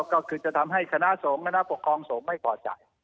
ก็คือจะทำให้คณะสมคณะปกครองสมไม่ปลอดภัย